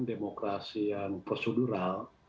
demokrasi yang prosedural